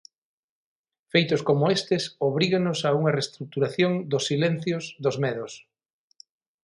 Feitos como estes obríganos a unha reestruturación dos silencios, dos medos.